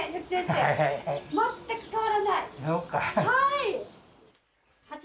はい。